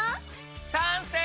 さんせい。